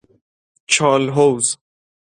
چالحوض